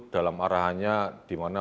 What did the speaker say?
dalam arahannya dimana